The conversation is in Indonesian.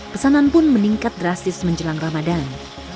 pesanan pun meningkat drastis menjelang ramadan